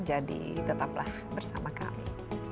jadi tetaplah bersama kami